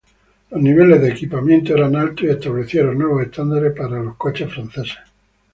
Los niveles de equipamiento eran altos y establecieron nuevos estándares para los coches franceses.